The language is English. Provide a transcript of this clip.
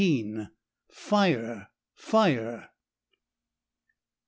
FIRE! FIRE!